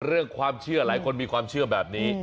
เรื่องความเชื่อหลายคนมีความเชื่อแบบนี้